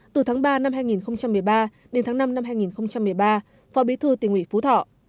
từ tháng ba năm hai nghìn một mươi ba đến tháng năm năm hai nghìn một mươi ba phó bí thư tỉnh ủy phú thọ